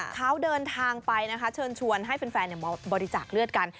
เขาเดินทางไปนะคะเชิญชวนให้แฟนมาบริจาคเลือดกัน